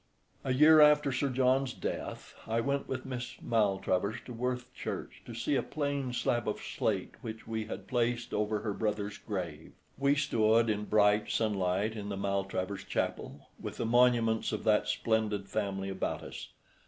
A year after Sir John's death I went with Miss Maltravers to Worth church to see a plain slab of slate which we had placed over her brother's grave. We stood in bright sunlight in the Maltravers chapel, with the monuments of that splendid family about us.